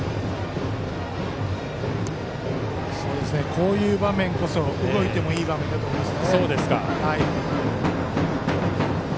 こういう場面こそ動いてもいい場面だと思います。